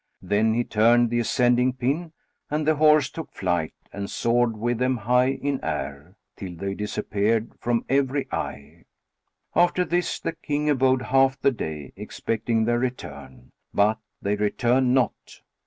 Then he turned the ascending pin and the horse took flight and soared with them high in air, till they disappeared from every eye. After this the King abode half the day, expecting their return; but they returned not.